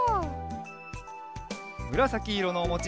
むらさきいろのおもち